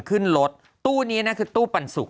ขึ้นรถตู้นี้นะคือตู้ปันสุก